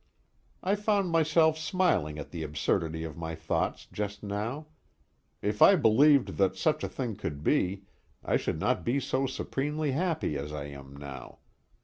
I found myself smiling at the absurdity of my thoughts just now. If I believed that such a thing could be, I should not be so supremely happy as I am now.